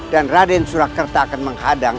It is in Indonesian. dan raden surakerta akan menghadang